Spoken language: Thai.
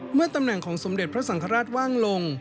เมื่อตำแหน่งของสมเด็จพระสังฆราชว่างลง